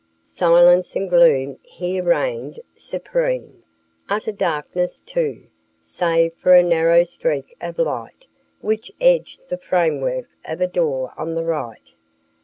Silence and gloom here reigned supreme; utter darkness, too, save for a narrow streak of light which edged the framework of a door on the right.